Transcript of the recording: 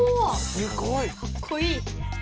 すごい！かっこいい！